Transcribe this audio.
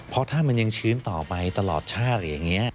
เพราะถ้ามันยังชื้นต่อไปตลอดชาติอะไรอย่างนี้